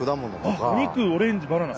あっお肉オレンジバナナ。